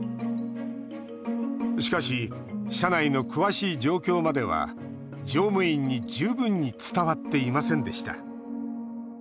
しかし、車内の詳しい状況までは乗務員に十分に伝わっていませんでした。